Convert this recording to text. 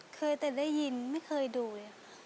เคยแต่ได้ยินไม่เคยดูเลยค่ะ